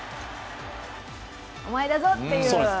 お前だぞっていう。